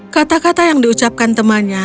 kata kata yang diucapkan temannya membuat ratu terkejut